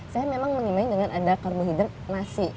saya memang mengimbangi dengan ada karbohidrat nasi